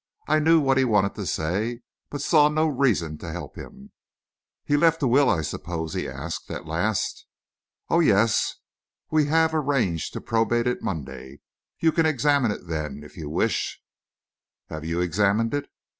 I knew what he wanted to say, but saw no reason to help him. "He left a will, I suppose?" he asked, at last. "Oh, yes; we have arranged to probate it Monday. You can examine it then, if you wish." "Have you examined it?"